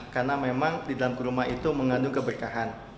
karena memang di dalam kurma itu mengandung keberkahan